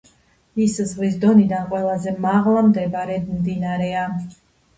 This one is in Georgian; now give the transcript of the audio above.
ის ზღვის დონიდან ყველაზე მაღლა მდებარე მდინარეა.